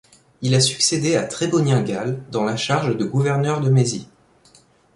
Il a succédé à Trébonien Galle dans la charge de gouverneur de Mésie.